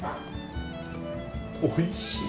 おいしい。